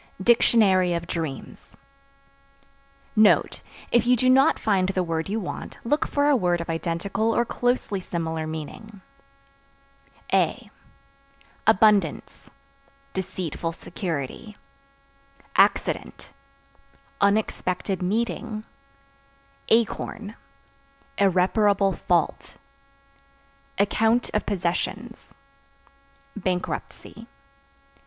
DICTIONARY OF DREAMS. (Note. If you do not find the word you want, look for a word of identical or closely similar meaning.) A Abundance Deceitful security. Accident Unexpected meeting. Acorn Irreparable fault. Account (Of possessions) bankruptcy.